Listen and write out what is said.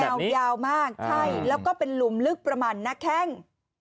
เป็นแนวยาวมากใช่แล้วก็เป็นหลุมลึกประหมันนะแค่ง